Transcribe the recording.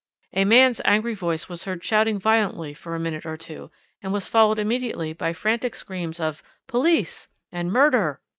A man's angry voice was heard shouting violently for a minute or two, and was followed immediately by frantic screams of 'Police' and 'Murder.'